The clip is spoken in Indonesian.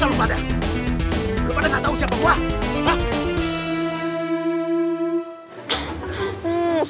belum ada yang gak tau siapa gue